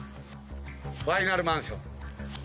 ファイナルマンション？